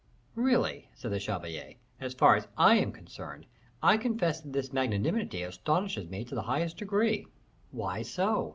"Really," said the chevalier, "as far as I am concerned, I confess that this magnanimity astonishes me to the highest degree." "Why so?"